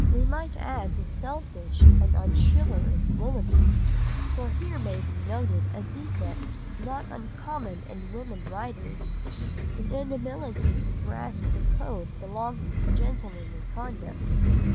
We might add the selfish and unchivalrous Willoughby, for here may be noted a defect not uncommon in women writers, an inability to grasp the code belonging to gentlemanly conduct.